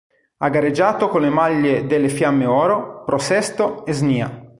Ha gareggiato con le maglie delle Fiamme Oro, Pro Sesto e Snia.